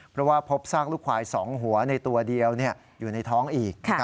เพราะว่าพบซากลูกควาย๒หัวในตัวเดียวอยู่ในท้องอีก